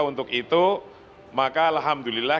untuk itu maka alhamdulillah